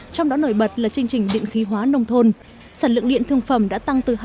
trong đó nổi bật là chương trình điện khí hóa nông thôn sản lượng điện thương phẩm đã tăng từ hai mươi bốn tám mươi ba